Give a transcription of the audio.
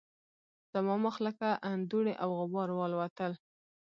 زما مخ ته لکه دوړې او غبار والوتل